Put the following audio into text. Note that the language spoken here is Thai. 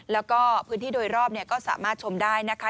แล้วก็พื้นที่โดยรอบก็สามารถชมได้นะคะ